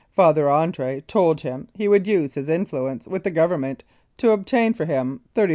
Father Andre* told him he would use his influence with the Government to obtain for him $35,000."